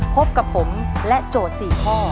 พบกับผมและโจทย์๔ข้อ